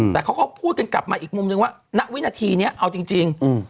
แต่เขาก็พูดกันกลับมาอีกมุมนึงว่าณวินาทีนี้เอาจริง